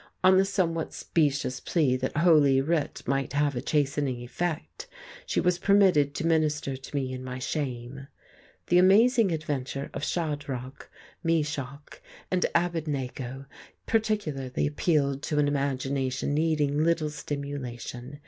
On the somewhat specious plea that Holy Writ might have a chastening effect, she was permitted to minister to me in my shame. The amazing adventure of Shadrach, Meshach and Abednego particularly appealed to an imagination needing little stimulation.